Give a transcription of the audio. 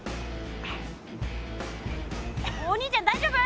お兄ちゃん大丈夫？